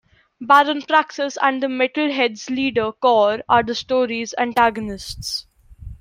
Baron Praxis and the Metal Heads' leader Kor are the story's antagonists.